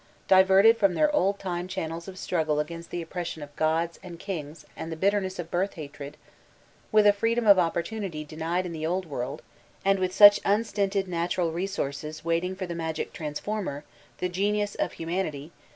Diverted from their old time channels of struggle against the oppression of Gods and kings and the bitterness off birth hatred, with a freedom of opportunity denied in the old world, and with such unstinted natmal resources waitipg for the magic transformer, the genius of hamttH ThK DtAMA OF THE NINETEENTH CeNTURY J89 ity.